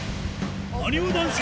なにわ男子